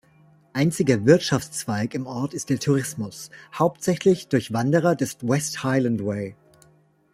Einziger Wirtschaftszweig im Ort ist der Tourismus, hauptsächlich durch Wanderer des West Highland Way.